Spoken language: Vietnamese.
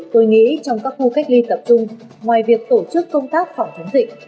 tôi nghĩ trong các khu cách ly tập trung ngoài việc tổ chức công tác phòng chống dịch